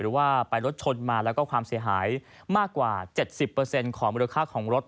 หรือว่าไปรถชนมาแล้วก็ความเสียหายมากกว่าเจ็ดสิบเปอร์เซ็นต์ของมูลค่าของรถ